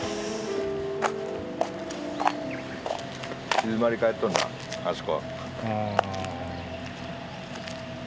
静まり返っとんなあそこ。